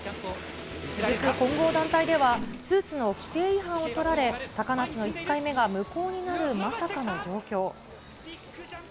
混合団体では、スーツの規定違反を取られ、高梨の１回目が無効になるまさかの状況。